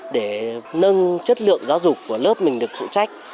để nâng chất lượng giáo dục của lớp mình được phụ trách